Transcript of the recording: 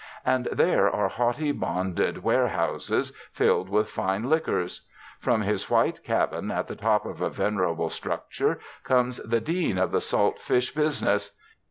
And there are haughty bonded warehouses filled with fine liquors. From his white cabin at the top of a venerable structure comes the dean of the salt fish business.